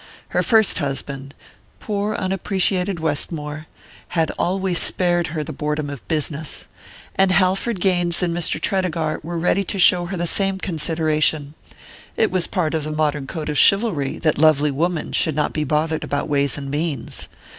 Her first husband poor unappreciated Westmore! had always spared her the boredom of "business," and Halford Gaines and Mr. Tredegar were ready to show her the same consideration; it was part of the modern code of chivalry that lovely woman should not be bothered about ways and means.